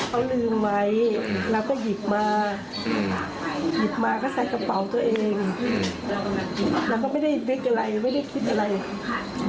เขาลืมไว้แล้วก็หยิบมาหืมหยิบมาก็ใส่กระเป๋าตัวเอง